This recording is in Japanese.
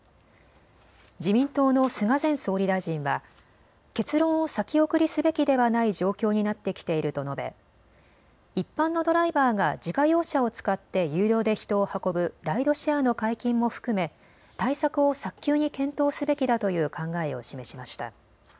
自民党の菅前総理大臣は結論を先送りすべきではない状況になってきていると述べ一般のドライバーが自家用車を使って有料で人を運ぶライドシェアの解禁も含め対策を早急に検討すべきだという考えを示しました。